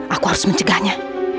aku harus mencegahnya